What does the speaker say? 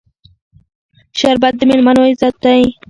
شربت د میلمنو عزت دی